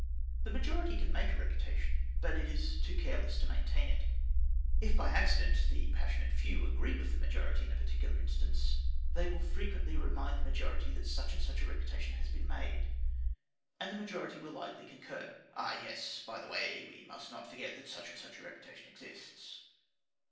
The majority can make a reputation, but it is too careless to maintain it. If, by accident, the passionate few agree with the majority in a particular instance, they will frequently remind the majority that such and such a reputation has been made, and the majority will idly concur: "Ah, yes. By the way, we must not forget that such and such a reputation exists."